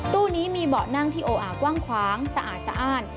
ตู้นี้มีเบาะนั่งที่โออากว้างขวางสะอาดสะอ้าน